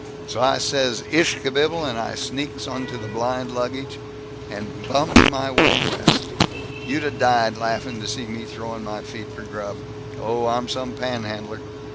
So I says 'ish kabibble,' and I sneaks onto the blind baggage, and bums my way West. You'd 'a' died laughing to seen me throwing my feet for grub. Oh, I'm some panhandler!